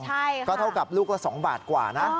ใช่ค่ะก็เท่ากับลูกละ๒บาทกว่านะ